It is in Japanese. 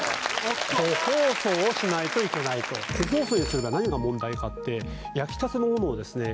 個包装をしないといけないと個包装にするのは何が問題かって焼きたてのものをですね